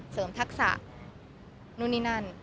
ทักษะนู่นนี่นั่น